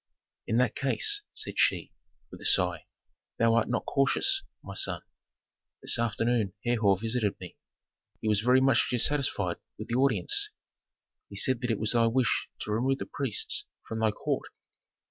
"In that case," said she, with a sigh, "thou art not cautious, my son. This afternoon Herhor visited me; he was very much dissatisfied with the audience. He said that it was thy wish to remove the priests from thy court."